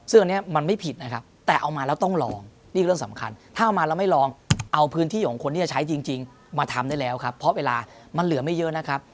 ซึ่งอันนี้มันไม่ผิดนะครับแต่เอามาแล้วต้องลองนี่คือเรื่องสำคัญถ้าเอามาแล้วไม่ลองเอาพื้นที่ของคนที่จะใช้จริงมาทำได้แล้วครับเพราะเวลามันเหลือไม่เยอะนะครับ